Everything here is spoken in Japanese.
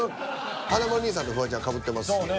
華丸兄さんとフワちゃんかぶってますよね。